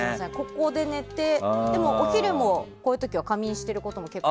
ここで寝て、お昼もこういう時は仮眠していることも。